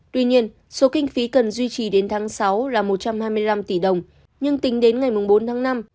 tuy nhiên số kinh phí cần duy trì đến tháng sáu là một trăm hai mươi năm tỷ đồng nhưng tính đến ngày bốn tháng năm